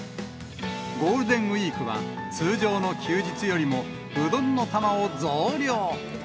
ゴールデンウィークは通常の休日よりもうどんの玉を増量。